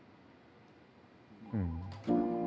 うん。